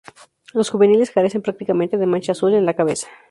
Los juveniles carecen prácticamente de mancha azul en la cabeza.